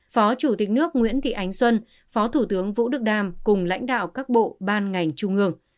phó chủ tịch nước nguyễn thị ánh xuân phó thủ tướng vũ đức đam cùng lãnh đạo các bộ ban ngành trung ương